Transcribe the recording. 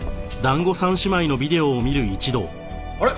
あれ？